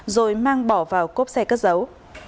rồi mang bỏ vào cốp xe cất giấu